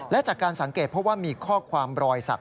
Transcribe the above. และจากการสังเกตเพราะว่ามีข้อความรอยสัก